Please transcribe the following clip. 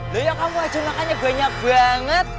loh ya kamu aja makannya banyak banget